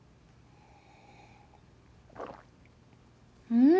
うん！